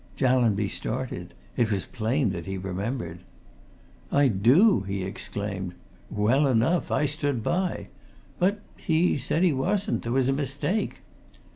Jallanby started. It was plain that he remembered. "I do!" he exclaimed. "Well enough! I stood by. But he said he wasn't. There was a mistake."